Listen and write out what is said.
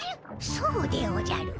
そうでおじゃる。